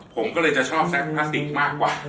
ผมก็ชอบแรกพลาสติกกว่า